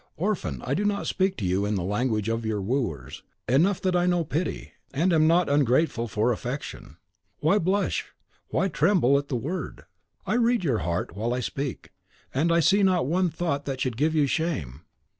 Orphan, I do not speak to you in the language of your wooers; enough that I know pity, and am not ungrateful for affection. Why blush, why tremble at the word? I read your heart while I speak, and I see not one thought that should give you shame.